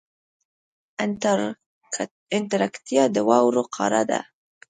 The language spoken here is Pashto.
انټارکټیکا د واورو قاره ده.